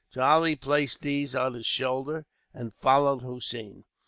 Charlie placed these on his shoulder, and followed Hossein.